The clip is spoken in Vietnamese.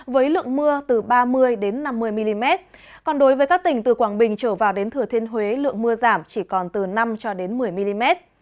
với lượng mưa từ ba mươi năm mươi mm còn đối với các tỉnh từ quảng bình trở vào đến thừa thiên huế lượng mưa giảm chỉ còn từ năm cho đến một mươi mm